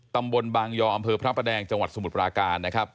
ตำบลบางยออำเภอพระแปดแดงจังหวัดสมุทรปราการ